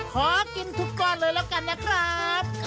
ขอกินทุกก้อนเลยแล้วกันนะครับ